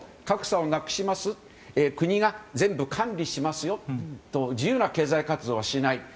格差をなくします国が全部管理しますよと自由な経済活動はしない。